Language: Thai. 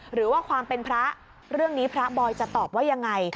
หรือว่าความเป็นพระเรื่องนี้พระบอยจะตอบว่ายังไง